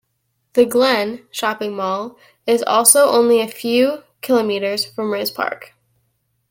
"The Glen" Shopping Mall is also only a few Km from Rispark.